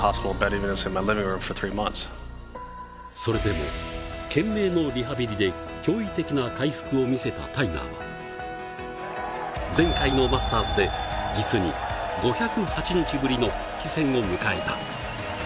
それでも、懸命のリハビリで驚異的な回復を見せたタイガーは前回のマスターズで５０８日ぶりの復帰戦を迎えた。